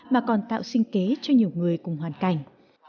mà còn tạo sinh kế cho nhiều người cùng hoàn cảnh